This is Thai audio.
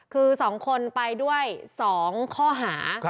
คือสองคนไปด้วยสองข้อหา